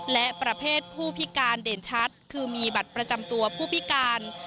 และประเภทผู้พิการเด่นชัดคือมีบัตรประจำตัวผู้พิการ